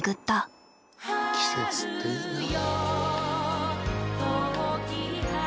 季節っていいなあ。